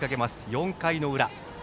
４回の裏。